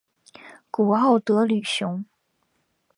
古奥德吕雄。